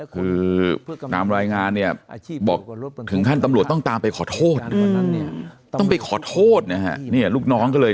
คือตามรายงานเนี่ยบอกถึงขั้นตำรวจต้องตามไปขอโทษต้องไปขอโทษนะฮะลูกน้องก็เลย